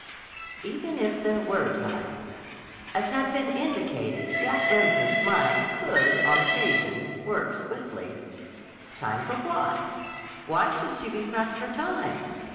D. C. "Even if there were time." As has been indicated, Jack Remsen's mind could, on occasion, work swiftly. Time for what? Why should she be pressed for time?